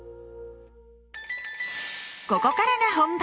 ここからが本番！